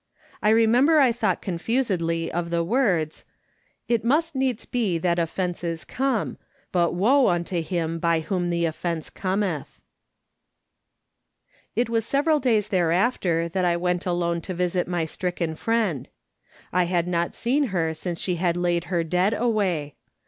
I remember I thought confusedly of the words : 3t4 MI^S. SOLOMON SMITH LOOKING ON. " It must needs be that offeucea come, but woe unto him by whom tlie olTence cometh '" It was several days thereafter that I went alone to visit my stricken friend. I had not seen her since slie laid her dead away.